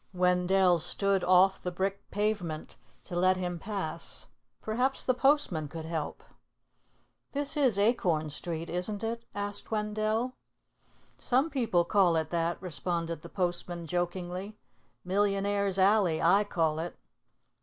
Wendell stood off the brick pavement to let him pass. Perhaps the postman could help. "This is Acorn Street, isn't it?" said Wendell. "Some people call it that," responded the postman jokingly. "Millionaires' Alley, I call it."